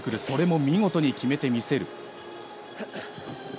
それも見事に決めてみせる。